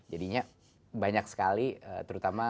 jadinya banyak sekali terutama